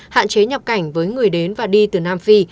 hạn chế nhập cảnh với người đếm